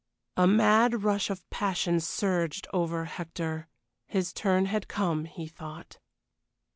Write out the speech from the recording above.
A mad rush of passion surged over Hector; his turn had come, he thought.